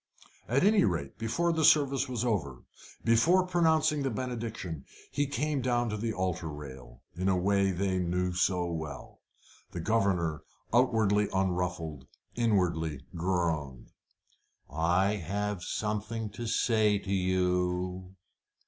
At any rate, before the service was over, before pronouncing the benediction, he came down to the altar rail, in the way they knew so well. The governor, outwardly unruffled, inwardly groaned. "I have something to say to you."